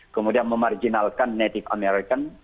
kemudian memarjinalkan native american